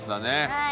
はい！